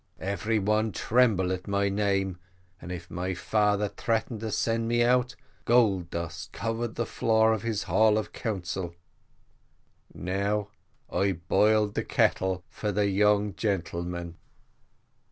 Every one trembled at my name, and, if my father threatened to send me out, gold dust covered the floor of his hall of council Now, I boil the kettle for the young gentlemen.